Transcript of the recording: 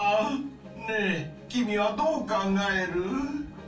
ねえ君はどう考える？